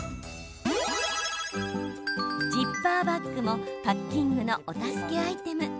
ジッパーバッグもパッキングのお助けアイテム。